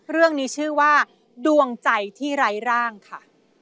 เรื่องนี้ชื่อว่าดวงใจที่ไร้ร่างค่ะ